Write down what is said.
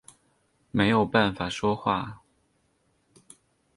没有办法说话